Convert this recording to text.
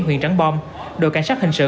huyện trảng bom đội cảnh sát hình sự